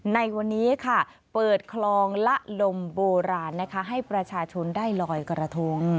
ในวันนี้ค่ะเปิดคลองละลมโบราณนะคะให้ประชาชนได้ลอยกระทง